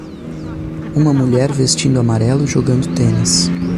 uma mulher vestindo amarelo jogando tênis